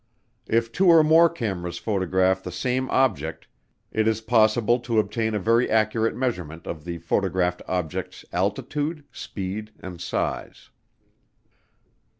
If two or more cameras photograph the same object, it is possible to obtain a very accurate measurement of the photographed object's altitude, speed, and size.